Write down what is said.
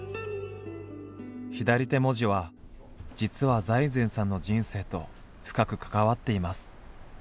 左手文字は実は財前さんの人生と深く関わっています。